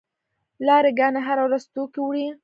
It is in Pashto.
لاری ګانې هره ورځ توکي وړي.